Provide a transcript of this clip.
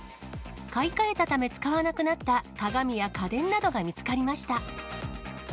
買い換えたため使わなくなった鏡や家電などが見つかりました。